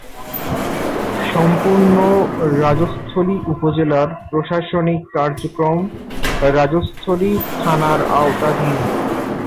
সম্পূর্ণ রাজস্থলী উপজেলার প্রশাসনিক কার্যক্রম রাজস্থলী থানার আওতাধীন।